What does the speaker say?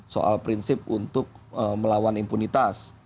soal prinsip untuk melawan impunitas